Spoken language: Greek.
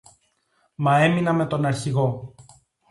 Μα έμεινα με τον Αρχηγό